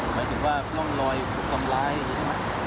หมายถึงว่าล่องลอยกลมร้ายอย่างนี้ใช่ไหม